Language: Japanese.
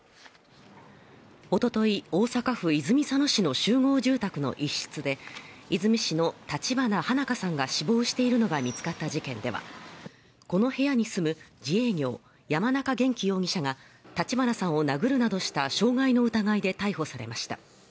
一昨日、大阪府泉佐野市の集合住宅の一室で和泉市の立花花華さんが死亡しているのが見つかった事件では、この部屋に住む自営業山中元稀容疑者が立花さんを殴るなどした傷害の疑いで逮捕されました。